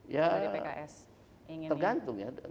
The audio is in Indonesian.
ya tergantung ya